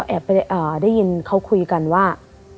แอบได้ยินคุยกันว่า